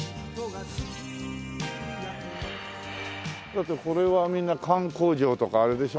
だってこれはみんな缶工場とかあれでしょ？